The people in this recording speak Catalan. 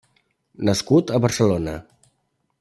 Nascut a Barcelona.